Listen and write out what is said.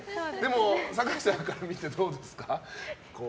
坂井さんから見てどうですか？